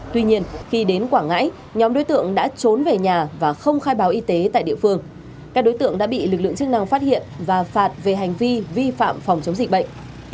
tuy nhiên khi đến quảng ngãi nhóm đối tượng đã trốn về nhà và không khai báo y tế tại địa phương các đối tượng đã bị lực lượng chức năng phát hiện và phạt về hành vi vi phạm phòng chống dịch bệnh